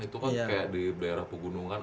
itu kan kayak di daerah pegunungan